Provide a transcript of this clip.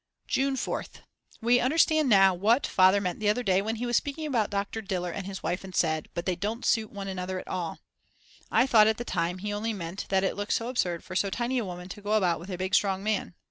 June 4th. We understand now what Father meant the other day when he was speaking about Dr. Diller and his wife and said: "But they don't suit one another at all." I thought at the time he only meant that it looks so absurd for so tiny a woman to go about with a big strong man.